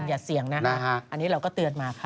อย่าเสี่ยงนะคะอันนี้เราก็เตือนมาค่ะ